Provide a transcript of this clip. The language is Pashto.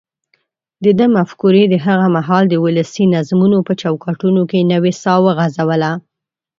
دده مفکورې د هغه مهال د ولسي نظمونو په چوکاټونو کې نوې ساه وغځوله.